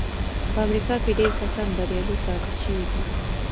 په امريکا کې ډېر کسان بريالي ثابت شوي دي.